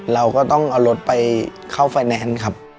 เราก็ต้องเอารถไปเข้าไฟแนนซ์ครับ